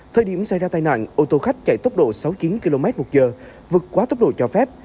thời điểm xảy ra tai nạn ô tô khách chạy tốc độ sáu mươi chín kmh vượt quá tốc độ cho phép